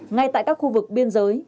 ngay tại các khu vực biên giới